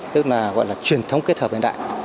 tức là gọi là truyền thống kết hợp hiện đại